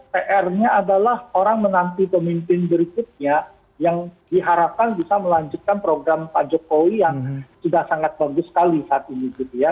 pr nya adalah orang menanti pemimpin berikutnya yang diharapkan bisa melanjutkan program pak jokowi yang sudah sangat bagus sekali saat ini gitu ya